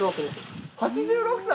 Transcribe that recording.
８６歳！？